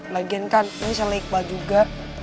lagian kan ini salah iqbal juga